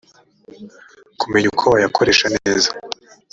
kumenya uko wayakoresha neza